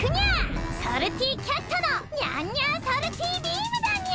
ソルティキャットのにゃんにゃんソルティビームだにゃ！